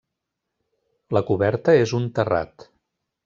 La coberta és un terrat.